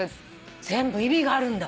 全部意味があるんだ？